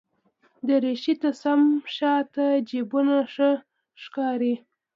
دریشي ته سم شاته جېبونه ښه ښکاري.